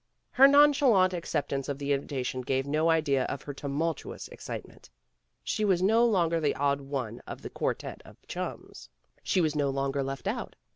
Her non chalant acceptance of the invitation gave no idea of her tumultuous excitement. She was no longer the odd one of the quartette of chums. She was no longer left out.